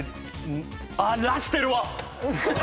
あっ出してるわ！